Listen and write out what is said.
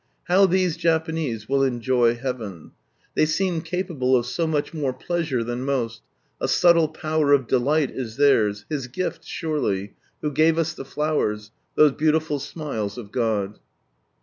How these Japanese will enjoy Heaven ! They seem capable of so much more pleasure than most, a subtle power of delight is theirs, His gift surely, who gave us the flowers, " those beautiful smiles of God!"